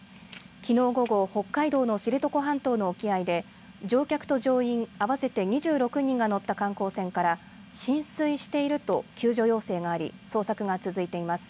きのう午後、北海道の知床半島の沖合で乗客と乗員合わせて２６人が乗った観光船から浸水していると救助要請があり捜索が続いています。